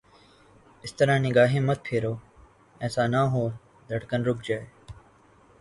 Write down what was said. اس طرح نگاہیں مت پھیرو، ایسا نہ ہو دھڑکن رک جائے